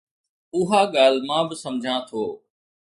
اها ڳالهه مان به سمجهان ٿو.